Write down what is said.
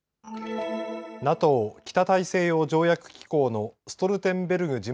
ＮＡＴＯ・北大西洋条約機構のストルテンベルグ